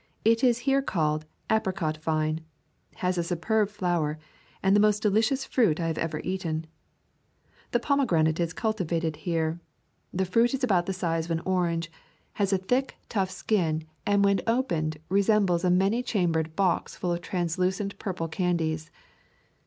It is here called "apricot vine," has a superb flower, and the most delicious fruit I have ever eaten. The pomegranate is cultivated here. The fruit is about the size of an orange, has a thick, [ 56 ] River Country of Georgia tough skin, and when opened resembles a many chambered box full of translucent purple candies.